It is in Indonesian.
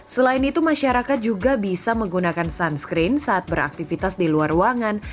selain itu masyarakat juga bisa menggunakan sunscreen saat beraktivitas di luar ruangan